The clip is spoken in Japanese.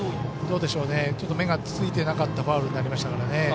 ちょっと目がついてなかったファウルになりましたからね。